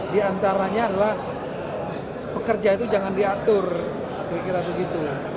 di antaranya adalah pekerja itu jangan diatur kira kira begitu